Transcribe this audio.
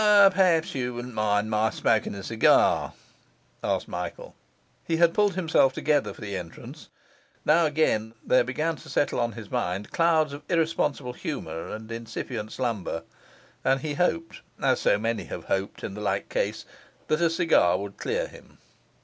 'Perhaps you wouldn't mind my smoking a cigar?' asked Michael. He had pulled himself together for the entrance; now again there began to settle on his mind clouds of irresponsible humour and incipient slumber; and he hoped (as so many have hoped in the like case) that a cigar would clear him.